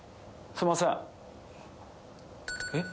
すいませんえっ？